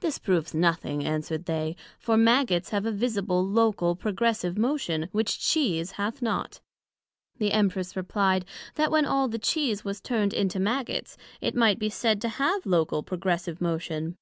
This proves nothing, answered they; for Maggots have a visible, local, progressive motion, which Cheese hath not. The Empress replied, That when all the Cheese was turned into Maggots, it might be said to have local, progressive motion.